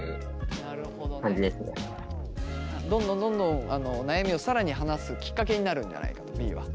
どんどんどんどん悩みを更に話すきっかけになるんじゃないかとＢは。